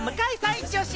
イチオシ！